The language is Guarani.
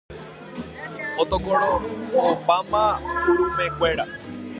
Otokoro'opáma urumekuéra.